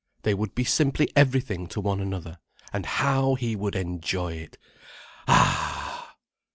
They would be simply everything to one another. And how he would enjoy it! Ah!